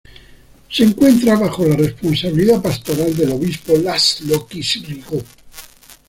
Se encuentra bajo la responsabilidad pastoral del obispo László Kiss-Rigó.